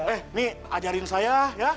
eh nih ajarin saya ya